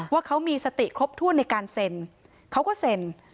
ว่าเขามีสติครบถ้วนในการเซ็นเขาก็เซ็น